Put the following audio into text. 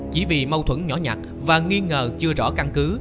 chỉ vì mâu thuẫn nhỏ nhặt và nghi ngờ chưa rõ căn cứ